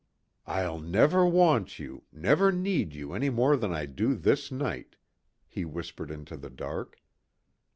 "I'll never want you never need you any more than I do this night," he whispered into the dark.